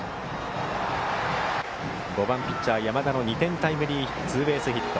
５番ピッチャー、山田の２点タイムリーツーベースヒット。